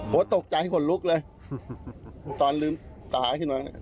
ผมตกใจขนลุกเลยตอนลืมตาขึ้นมา